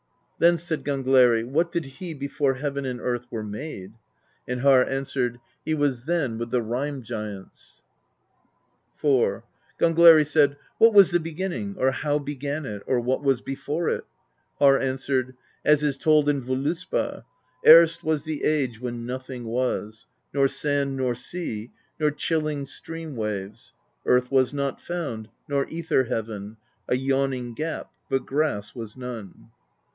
Then said Gangleri: "What did he before heaven and earth were made?" And Harr answered: "He was then with the Rime Giants." IV. Gangleri said: "What was the beginning, or how began it, or what was before it?" Harr answered: "As is told in Voluspa: Erst was the age when nothing was: Nor sand nor sea, nor chilling stream waves; Earth was not found, nor Ether Heaven, — A Yawning Gap, but grass was none."